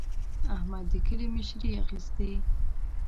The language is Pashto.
احمد د کلي مشري اخېستې.